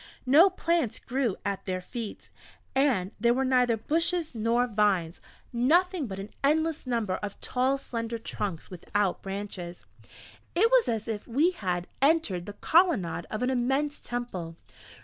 No plants grew at their feet, and there were neither bushes nor vines; nothing but an endless number of tall slender trunks without branches; it was as if we had entered the colonnade of an immense temple.